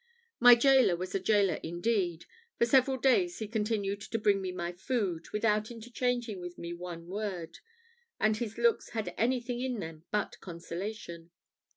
My gaoler was a gaoler indeed. For several days he continued to bring me my food, without interchanging with me one word; and his looks had anything in them but consolation.